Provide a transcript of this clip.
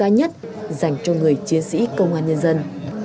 quà quý giá nhất dành cho người chiến sĩ công an nhân dân